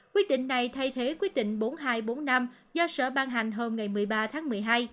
quyết định này thay thế quyết định bốn nghìn hai trăm bốn mươi năm do sở ban hành hôm ngày một mươi ba tháng một mươi hai